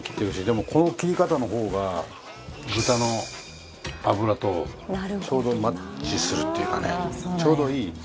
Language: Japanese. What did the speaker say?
でも、この切り方の方が豚の脂とちょうどマッチするっていうかね、ちょうどいい。